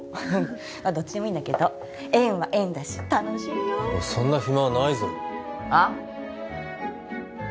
どっちでもいいんだけど園は園だし楽しいよそんな暇はないぞあっ？